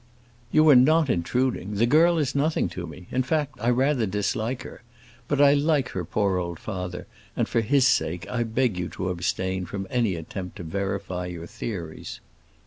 "You are not intruding. The girl is nothing to me. In fact, I rather dislike her. But I like her poor old father, and for his sake I beg you to abstain from any attempt to verify your theories."